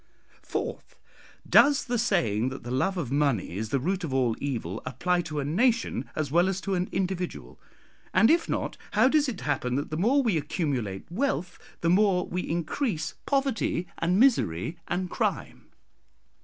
"Fourth, Does the saying that the love of money is the root of all evil apply to a nation as well as to an individual? and if not, how does it happen that the more we accumulate wealth, the more we increase poverty and misery and crime?